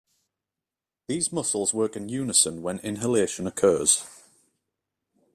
These muscles work in unison when inhalation occurs.